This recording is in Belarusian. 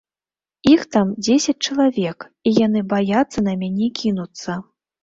Іх там дзесяць чалавек, і яны баяцца на мяне кінуцца.